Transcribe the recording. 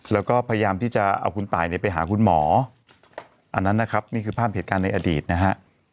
แล้วก็พยายามที่จะเอาคุณตายเนี่ยไปหาคุณหมออันนั้นนะครับนี่คือภาพเหตุการณ์ในอดีตนะฮะ